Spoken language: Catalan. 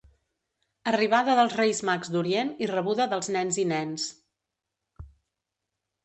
Arribada dels Reis Mags d'Orient i rebuda dels nens i nens.